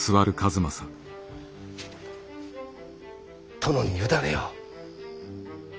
殿に委ねよう。